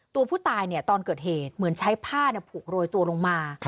ตัวผู้ตายตอนเกิดเหตุเหมือนใช้ผ้าผูกโรยตัวลงมา